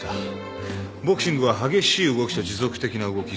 ボクシングは激しい動きと持続的な動き。